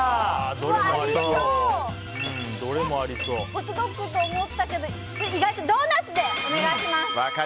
ホットドッグって思ったけど意外とドーナツでお願いします。